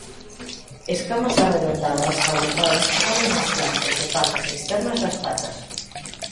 Escamas arredondadas avultadas cobren os flancos e partes externas das patas.